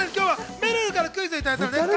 めるるからクイズをいただきました。